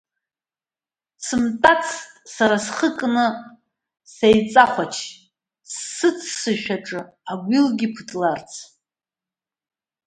Сымтәацт сара схы кны сеиҵахәач, сыццышә аҿы агәилгьы ԥытларц.